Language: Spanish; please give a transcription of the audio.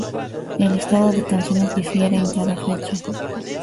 El Listado de canciones difiere en cada fecha.